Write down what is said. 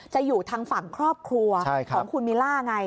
อยู่ทางฝั่งครอบครัวของคุณมิลล่าไง